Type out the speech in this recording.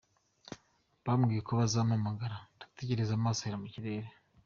Bambwiye ko bazampamagara, ndategereza amaso ahera mu kirere.